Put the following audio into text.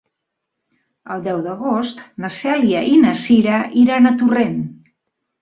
El deu d'agost na Cèlia i na Cira iran a Torrent.